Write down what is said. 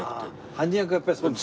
犯人役はやっぱりそうですか。